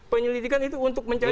penyelidikan itu untuk mencari